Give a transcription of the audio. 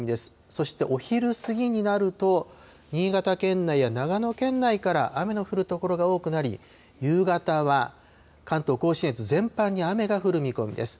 そしてお昼過ぎになると、新潟県内や長野県内から雨の降る所が多くなり、夕方は関東甲信越全般に雨が降る見込みです。